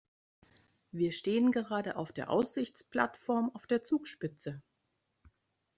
Wir stehen gerade auf der Aussichtsplattform auf der Zugspitze.